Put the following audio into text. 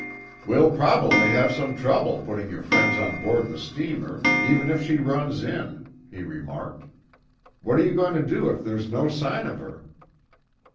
"We'll probably have some trouble putting your friends on board the steamer, even if she runs in," he remarked. "What are you going to do if there's no sign of her?"